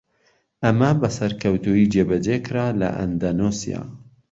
ئەمە بە سەرکەوتوویی جێبەجێکرا لە ئەندەنوسیا.